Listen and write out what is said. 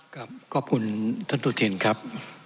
กับก็พูดตัวจริงครับ